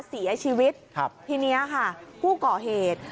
เสียชีวิตครับทีนี้ค่ะผู้ก่อเหตุ